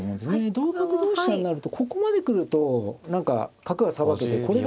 同角同飛車になるとここまで来ると何か角がさばけてこれが。